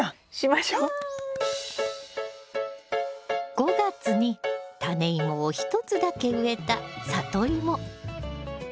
５月にタネイモを１つだけ植えたサトイモ。